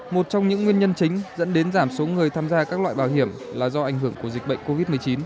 một trong những nguyên nhân chính dẫn đến giảm số người tham gia các loại bảo hiểm là do ảnh hưởng của dịch bệnh covid một mươi chín